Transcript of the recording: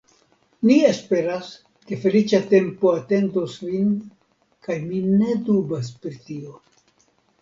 Ni esperas, ke feliĉa tempo atendos vin, kaj mi ne dubas pri tio.